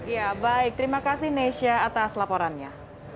ya baik terima kasih nesha atas laporannya